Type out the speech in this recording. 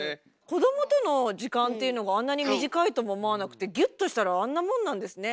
子どもとの時間っていうのがあんなに短いとも思わなくてギュッとしたらあんなもんなんですね。